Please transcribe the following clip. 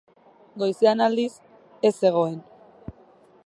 Goizean, aldiz, ez zegoen.